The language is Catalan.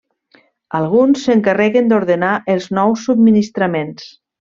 Alguns s'encarreguen d'ordenar els nous subministraments.